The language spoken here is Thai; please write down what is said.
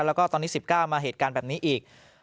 แล้วก็ตอนนี้๑๙มาเหตุการณ์แบบนี้อีก